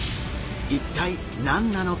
一体何なのか？